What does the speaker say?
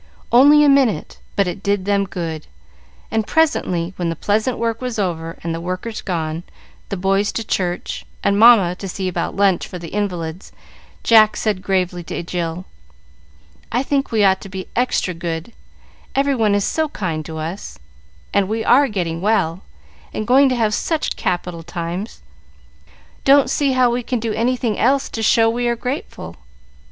Only a minute, but it did them good, and presently, when the pleasant work was over, and the workers gone, the boys to church, and Mamma to see about lunch for the invalids, Jack said, gravely, to Jill, "I think we ought to be extra good, every one is so kind to us, and we are getting well, and going to have such capital times. Don't see how we can do anything else to show we are grateful."